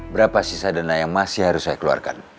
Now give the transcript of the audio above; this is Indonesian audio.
berapa sisa dana yang masih harus saya keluarkan